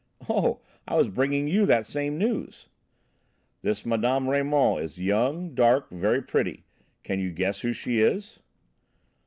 "Oh! I was bringing you that same news!" "This Mme. Raymond is young, dark, very pretty. Can't you guess who she is?"